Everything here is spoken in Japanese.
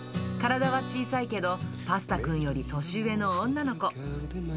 体は小さいけど、パスタくんより年上の女の子。